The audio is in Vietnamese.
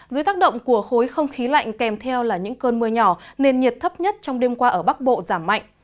dưới tác động của khối không khí lạnh kèm theo là những cơn mưa nhỏ nên nhiệt thấp nhất trong đêm qua ở bắc bộ giảm mạnh